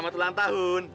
selamat ulang tahun